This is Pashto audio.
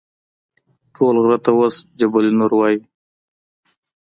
ټول غره ته اوس جبل نور وایي.